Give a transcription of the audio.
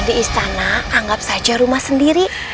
jika di pajajara anggap saja rumah sendiri